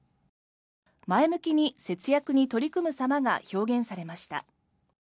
前向きに節約に取り組むさまが表現されました。